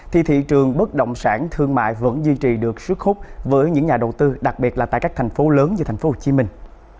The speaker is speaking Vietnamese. thì thị trường bất động sản thương mại vẫn duy trì được sức khúc với những nhà đầu tư đặc biệt là tại các thành phố lớn như thành phố hồ chí minh